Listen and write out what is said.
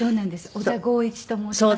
小田剛一と申します。